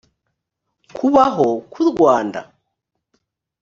kubaho k’u rwanda